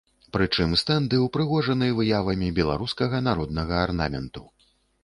Прычым стэнды ўпрыгожаны выявамі беларускага народнага арнаменту.